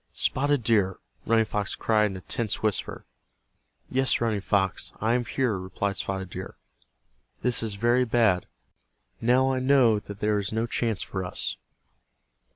"Spotted Deer!" Running Fox cried in a tense whisper. "Yes, Running Fox, I am here," replied Spotted Deer. "This is very bad. Now I know that there is no chance for us."